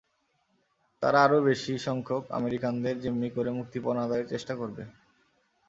তারা আরও বেশি সংখ্যক আমেরিকানদের জিম্মি করে মুক্তিপণ আদায়ের চেষ্টা করবে।